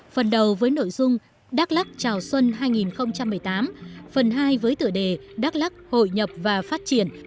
phần đầu với nội dung đắk lắc chào xuân hai nghìn một mươi tám phần hai với tựa đề đắk lắc hội nhập và phát triển